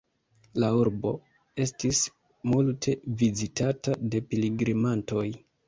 La urbo estis multe vizitata de pilgrimantoj.